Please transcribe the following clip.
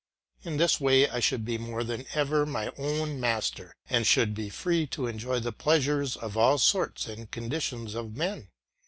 In this way I should be more than ever my own master, and should be free to enjoy the pleasures of all sorts and conditions of men.